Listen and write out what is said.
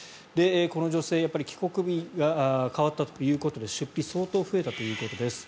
この女性は帰国日が変わったということで出費は相当増えたということです。